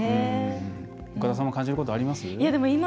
岡田さんも感じることあります？